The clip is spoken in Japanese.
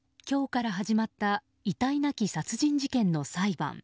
今日から始まった遺体なき殺人事件の裁判。